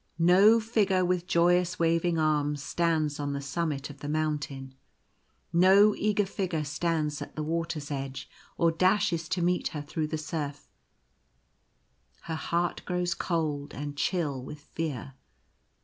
No figure with joyous waving arms stands on the summit of the mountain — no eager figure stands at the water's edge or dashes to meet her through the surf. Her heart grows cold and chill with fear.